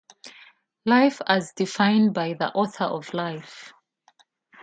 Life as defined by the Author of Life.